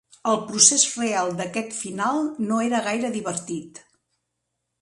El procés real d'aquest final no era gaire divertit.